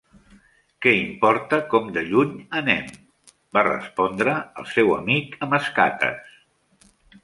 "Què importa com de lluny anem?", va respondre el seu amic amb escates.